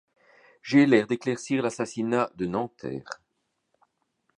J’ai l’air d’éclaircir l’assassinat de Nanterre.